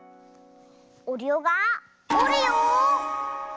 おるよがおるよ。